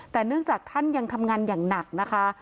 แต่เนื่องจากท่านยังทำงานอย่างหนักนะคะ